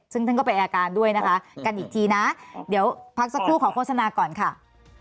ซึ่งท่านก็เป็นอาการด้วยนะคะกันอีกทีนะเดี๋ยวพักสักครู่ขอโฆษณาก่อนค่ะ